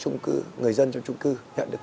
người dân trong trung cư nhận được